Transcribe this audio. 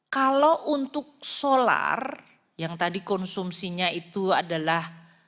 kalau untuk solar yang tadi konsumsinya itu adalah